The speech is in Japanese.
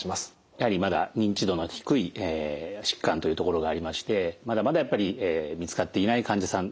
やはりまだ認知度の低い疾患というところがありましてまだまだやっぱり見つかっていない患者さん